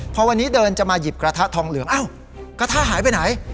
พอวันนี้เดินจะมาหยิบกระทะทองเหลืองอ้าวกระทะหายไปไหน